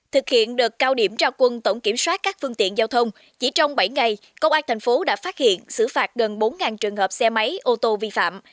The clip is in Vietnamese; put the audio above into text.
thực hiện đợt cao điểm trao quân tổng kiểm soát các phương tiện giao thông chỉ trong bảy ngày công an thành phố đã phát hiện xử phạt gần bốn trường hợp xe máy ô tô vi phạm